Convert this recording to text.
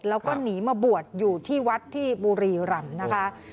แล้วก็หนีมาบวชอยู่ที่วัดที่บุรีรำนะคะ